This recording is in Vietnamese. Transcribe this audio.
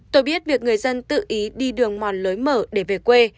tôi biết việc người dân tự ý đi đường mòn lối mở để về quê